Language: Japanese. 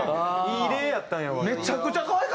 いい例やったんやわ今。